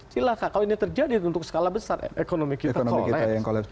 silahkan kalau ini terjadi untuk skala besar ekonomi kita kolap